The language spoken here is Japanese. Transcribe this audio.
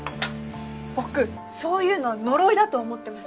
「僕そういうのは呪いだと思ってます。